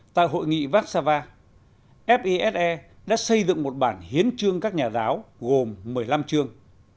tại hội nghị vác sa va fise đã xây dựng một bản hiến trương các nhà giáo gồm một mươi năm trương